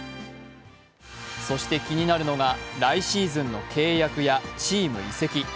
そして気になるのが来シーズンの契約やチーム移籍。